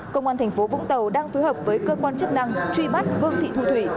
công an thành phố vũng tàu đang phối hợp với cơ quan chức năng truy bắt vương thị thu thủy